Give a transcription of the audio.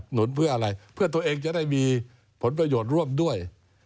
หนุนเพื่ออะไรเพื่อตัวเองจะได้มีผลประโยชน์ร่วมด้วย